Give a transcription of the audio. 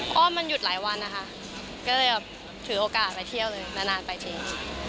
เพราะว่ามันหยุดหลายวันนะคะก็เลยแบบถือโอกาสไปเที่ยวเลยนานไปจริง